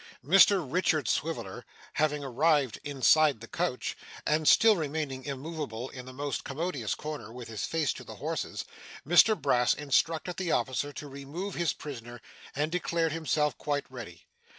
Mr Richard Swiveller having arrived inside the coach, and still remaining immoveable in the most commodious corner with his face to the horses, Mr Brass instructed the officer to remove his prisoner, and declared himself quite ready.